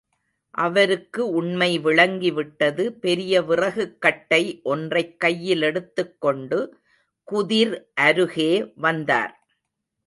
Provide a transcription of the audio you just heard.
அவருக்கு உண்மை விளங்கிவிட்டது பெரிய விறகுக்கட்டை ஒன்றைக் கையிலெடுத்துக் கொண்டு குதிர் அருகே வந்தார்.